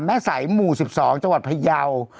แม่สายหมู่๑๒จพยาว